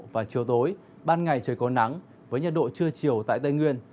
và chiều tối ban ngày trời có nắng với nhiệt độ trưa chiều tại tây nguyên